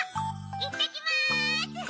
いってきます！